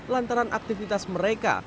lantaran aktivitas mereka